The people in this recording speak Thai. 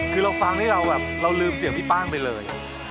คือเราฟังที่เราลืมเสียงพี่ป้างไปเลย